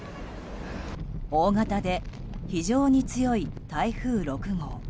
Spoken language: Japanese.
大型で非常に強い台風６号。